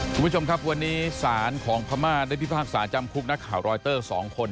คุณผู้ชมครับวันนี้ศาลของพม่าได้พิพากษาจำคุกนักข่าวรอยเตอร์๒คน